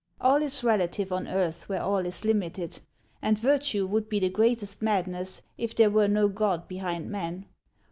All is relative on earth, where all is limited; and vir tue would be the greatest madness if there were no God behind man.